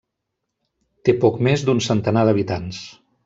Té poc més d'un centenar d'habitants.